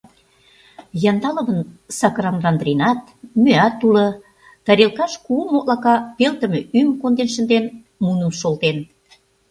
Яндаловын сакыран ландринат, мӱят уло, тарелкаш кугу моклака пелтыме ӱйым конден шынден, муным шолтен.